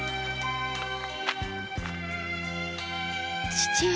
父上！